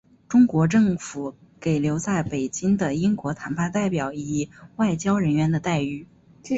中国政府给留在北京的英国谈判代表以外交人员的待遇。